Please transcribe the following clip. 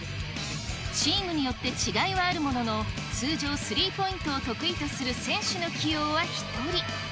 チームによって違いはあるものの、通常、スリーポイントを得意とする選手の起用は１人。